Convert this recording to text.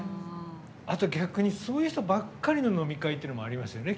逆にそういう人ばっかりの飲み会っていうのもありますよね。